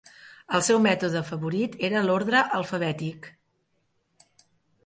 El seu mètode favorit era l'ordre alfabètic.